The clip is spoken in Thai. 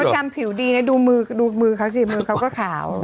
กรรมชันผิวดีนะดูมือเขาก็ขาว